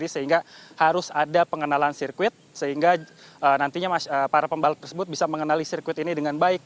sehingga harus ada pengenalan sirkuit sehingga nantinya para pembalap tersebut bisa mengenali sirkuit ini dengan baik